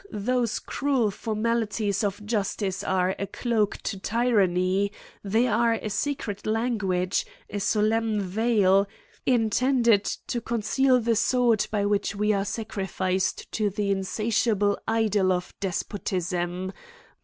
those cruel formalities of justice are * a cloak to tyranny, they are a secret language, a ^ solemn veil, intended to conceal the sword by * which we are sacrificed to the insatiable idol of * despotism.